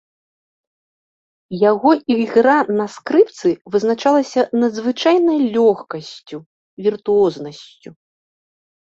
Яго ігра на скрыпцы вызначалася надзвычайнай лёгкасцю, віртуознасцю.